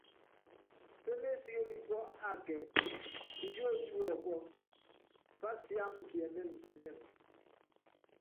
Pémésíkékí pɔ́ akɛ kuyótí wɔpɔ́, pásiáma kiɛmɛ́mɛkiɛmɛ́mɛ.